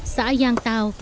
xã giang tào